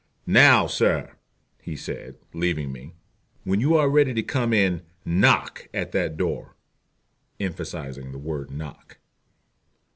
"Now, sir," said he, leaving me, "when you are ready to come in, knock at that door," emphasizing the word "knock."